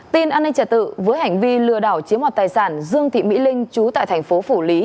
tin an ninh trả tự với hành vi lừa đảo chiếm hoạt tài sản dương thị mỹ linh chú tại thành phố phủ lý